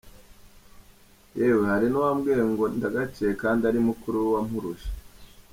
Yewe hari nuwambwiye ngo ndagaciye kandi ari mukuru we wampuruje!